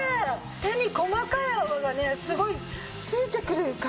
手に細かい泡がねすごい付いてくる感じしますよ。